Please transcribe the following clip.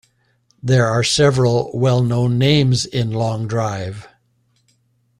There are several well-known names in long drive.